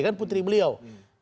kan putri beliau